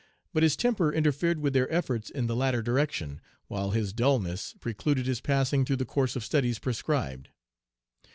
But his temper interfered with their efforts in the latter direction, while his dulness precluded his passing through the course of studies prescribed.